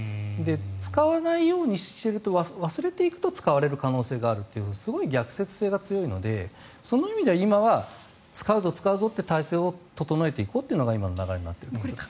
使わないようにしていると忘れていくと使われる可能性があるというすごい逆説性が強いのでそういう意味で今は使うぞ、使うぞという体制を整えていくのが今の流れになっていると思います。